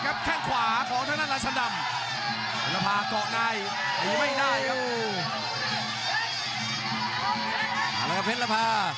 ขยับเข้ามาต่อในซ้ายและแพร่ขวา